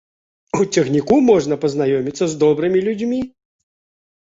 У цягніку можна пазнаёміцца з добрымі людзьмі.